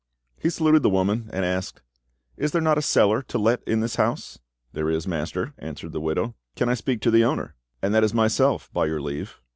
He saluted the woman, and asked— "Is there not a cellar to let in this house?" "There is, master," answered the widow. "Can I speak to the owner?" "And that is myself, by your leave."